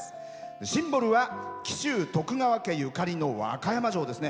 シンボルは紀州徳川家ゆかりの和歌山城ですね。